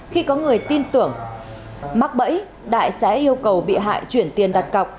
khi có người tin tưởng mắc bẫy đại sẽ yêu cầu bị hại chuyển tiền đặt cọc